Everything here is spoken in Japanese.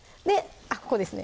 ここですね